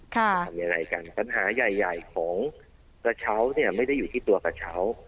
ทำยังไงกันปัญหาใหญ่ใหญ่ของกระเช้าเนี่ยไม่ได้อยู่ที่ตัวกระเช้า